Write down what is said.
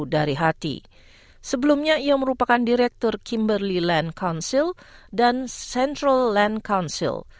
dari hati sebelumnya ia merupakan direktur kimberley land council dan central land council